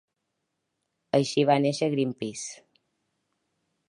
Així va néixer ‘Greenpeace’.